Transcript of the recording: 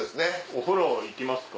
お風呂行きますか。